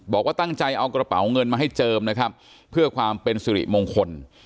บอกว่าตั้งใจเอากระเป๋าเงินมาให้เจิมนะครับเพื่อความเป็นสิริมงคล